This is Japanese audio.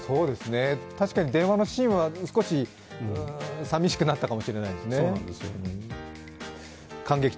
確かに電話のシーンは少し寂しくなったかもしれないですね。